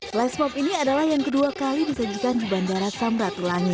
flash mob ini adalah yang kedua kali disajikan di bandara samratulangi